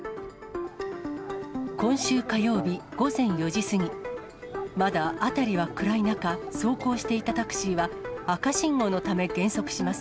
今週火曜日午前４時過ぎ、まだ辺りは暗い中、走行していたタクシーは、赤信号のため、減速します。